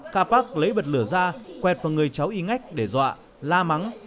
kha pak lấy bật lửa ra quẹt vào người cháu y ngách để dọa la mắng